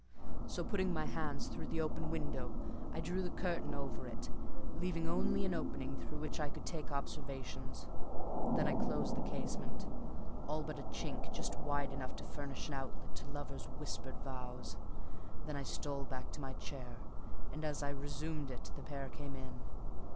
So putting my hand in through the open window, I drew the curtain over it, leaving only an opening through which I could take observations; then I closed the casement, all but a chink just wide enough to furnish an outlet to lovers' whispered vows: then I stole back to my chair; and as I resumed it the pair came in.